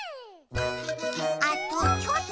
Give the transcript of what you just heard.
あとちょっと。